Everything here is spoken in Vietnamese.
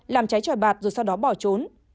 làm cháy tròi bạt rồi sau đó bỏ trốn